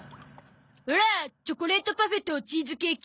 オラチョコレートパフェとチーズケーキ。